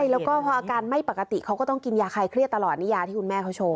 แล้วก็พออาการไม่ปกติเขาก็ต้องกินยาคลายเครียดตลอดนิยาที่คุณแม่เขาโชว์